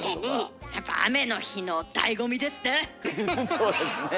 そうですね。